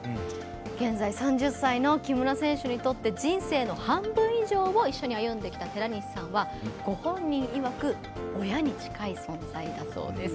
現在、３０歳の木村選手にとって人生の半分以上を一緒に歩んできた寺西さんは、ご本人いわく親に近い存在なんだそうです。